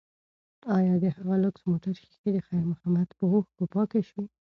ایا د هغه لوکس موټر ښیښې د خیر محمد په اوښکو پاکې شوې؟